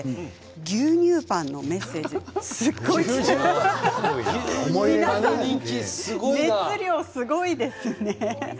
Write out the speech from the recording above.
牛乳パンのメッセージ牛乳パンの人気熱量がすごいですね。